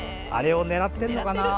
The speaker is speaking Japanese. あれを狙ってるのかな？